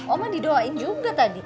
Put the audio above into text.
oma didoain juga tadi